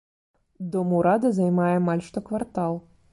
Дом урада займае амаль што квартал.